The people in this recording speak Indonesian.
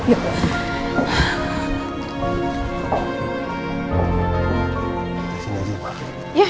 disini aja emang